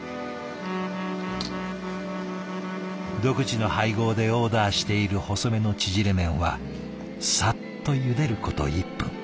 独自の配合でオーダーしている細めの縮れ麺はさっとゆでること１分。